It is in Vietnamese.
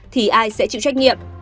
thì ai sẽ chịu trách nhiệm